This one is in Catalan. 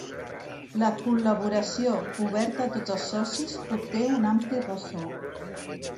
La col·laboració, oberta a tots els socis, obté un ampli ressò.